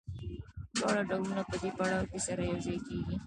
دواړه ډولونه په دې پړاو کې سره یوځای کېږي